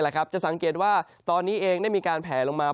จะสังเกตว่าตอนนี้เองได้มีการแผลลงมา